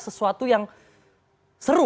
sesuatu yang seru